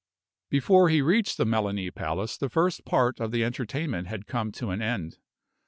Before he reached the Melani Palace the first part of the entertainment had come to an end.